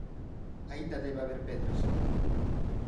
Aínda debe haber pedras